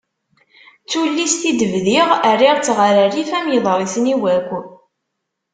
D tullist i d-bdiɣ rriɣ-tt ɣer rrif am yiḍrsen-iw akk.